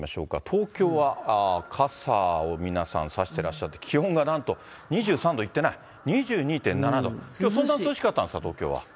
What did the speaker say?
東京は傘を皆さん差してらっしゃって、気温がなんと２３度いってない、２２．７度、きょうそんな涼しかったんですか、東京は。